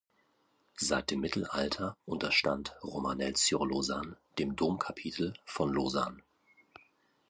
Seit dem Mittelalter unterstand Romanel-sur-Lausanne dem Domkapitel von Lausanne.